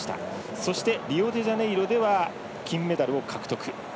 そして、リオデジャネイロでは金メダルを獲得。